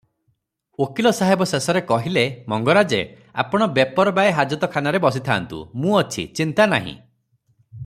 ଓକିଲ ସାହେବ ଶେଷରେ କହିଲେ -"ମଙ୍ଗରାଜେ! ଆପଣ ବେପାରବାଏ ହାଜତଖାନାରେ ବସିଥାନ୍ତୁ, ମୁଁ ଅଛି, ଚିନ୍ତା ନାହିଁ ।"